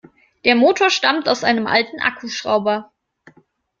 Der Motor stammt aus einem alten Akkuschrauber.